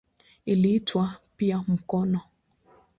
Iliitwa pia "mkono".